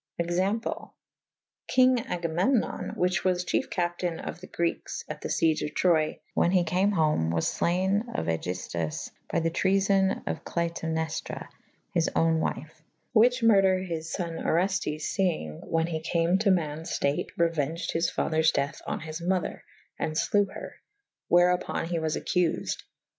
[E vii a] Example. Kynge Agamenno« / whiche was chief capitayne of the Grekes at the fiege of Troye / whan he cam home was f layne of Egiftus by the treafon of Cliteneftra his owne wyfe / whiche murder his fo«ne Oreftes feynge / whan he cam to mannes ftate / reuenged his fathers deathe on his mother/and flewe her/wherupon he was accufed.